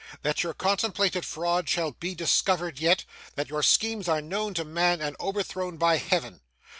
That your contemplated fraud shall be discovered yet. That your schemes are known to man, and overthrown by Heaven.